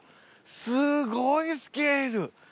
すごいスケール！